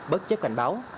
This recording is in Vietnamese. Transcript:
bất chấp cảnh báo